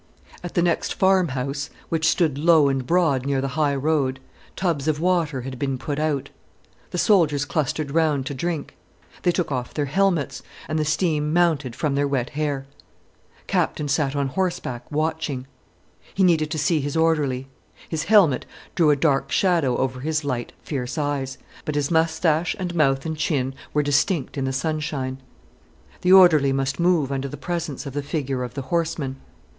At the next farm house, which stood low and broad near the high road, tubs of water had been put out. The soldiers clustered round to drink. They took off their helmets, and the steam mounted from their wet hair. The Captain sat on horseback, watching. He needed to see his orderly. His helmet threw a dark shadow over his light, fierce eyes, but his moustache and mouth and chin were distinct in the sunshine. The orderly must move under the presence of the figure of the horseman.